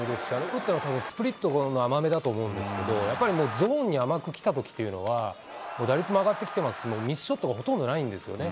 打ったのたぶん、スプリットの甘めだと思うんですけれども、やっぱりに甘く来たときには、打率も上がってきてますので、ミスショットがほとんどないんですよね。